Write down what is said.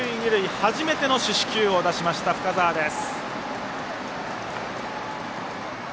初めての四死球を出した深沢です。